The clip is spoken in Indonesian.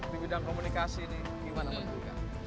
di bidang komunikasi ini bagaimana